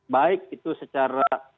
baik itu secara